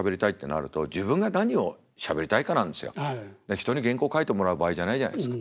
人に原稿書いてもらう場合じゃないじゃないですか。